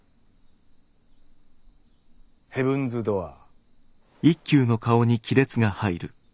ヘブンズ・ドアー。